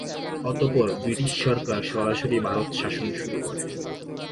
অত:পর British সরকার সরাসরি ভারত শাসন শুরু করে।